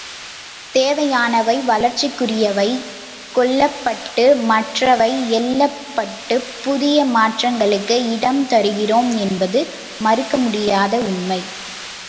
தேவையானவை, வளர்ச்சிக்குரியவை கொள்ளப்பட்டு மற்றலை எள்ளப்பட்டுப் புதிய மாற்றங்களுக்கு இடம் தருகிறோம் என்பது மறுக்க முடியாத உண்மை.